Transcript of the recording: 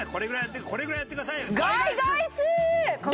このぐらいやってくださいよ。